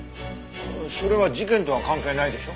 それは事件とは関係ないでしょ。